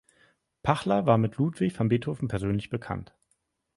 Pachler war mit Ludwig van Beethoven persönlich bekannt.